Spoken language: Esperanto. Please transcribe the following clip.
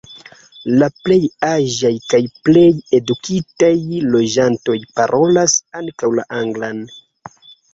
La plej aĝaj kaj plej edukitaj loĝantoj parolas ankaŭ la anglan.